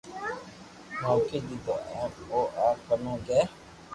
نوکي ديدو ھين او آ ھتو ڪي